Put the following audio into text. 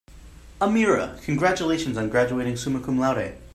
"Amira, congratulations on graduating summa cum laude."